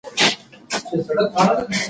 که مشق وي نو لاس نه خرابیږي.